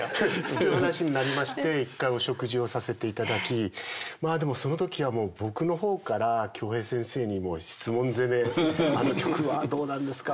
いう話になりまして一回お食事をさせていただきまあでもその時は僕の方から京平先生に質問攻めあの曲はどうなんですか